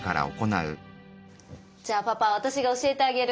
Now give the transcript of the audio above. じゃあパパ私が教えてあげる。